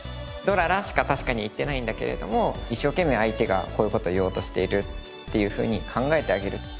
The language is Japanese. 「ドララ」しか確かに言ってないんだけれども一生懸命相手がこういう事を言おうとしているっていうふうに考えてあげる。